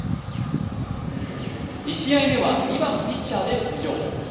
１試合目は２番・ピッチャーで出場。